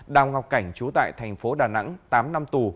đào ngọc cảnh chú tại tp đà nẵng tám năm tù